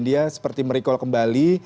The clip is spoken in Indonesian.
dan dia seperti merecall kembali